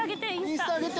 インスタ上げて。